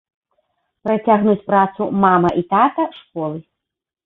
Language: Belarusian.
Працягнуць працу мама- і тата-школы.